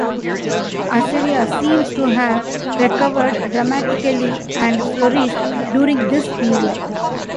Assyria seems to have recovered dramatically, and flourished during this period.